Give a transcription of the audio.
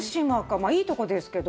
まあ、いいとこですけど。